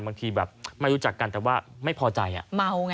บางทีแบบไม่รู้จักกันแต่ว่าไม่พอใจอ่ะเมาไง